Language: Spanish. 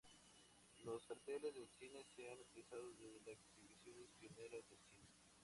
Los carteles de cine se han utilizado desde las exhibiciones pioneras del cine.